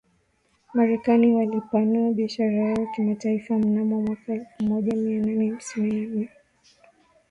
Marekani walipanua biashara yao kimataifa mnamo mwaka elfumoja mianane hamsini na nne